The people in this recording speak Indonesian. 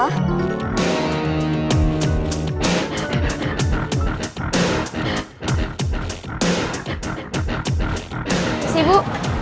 terima kasih bu